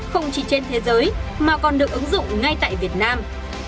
không chỉ trên thế giới mà còn được ứng dụng ngay tại việt nam